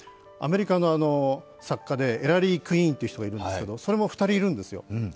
アメリカの作家でエラリー・クイーンという人がいるんですがそれも２人いるんですよ。